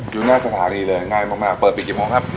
อยู่หน้าสถานีเลยง่ายมากเปิดปิดกี่โมงครับ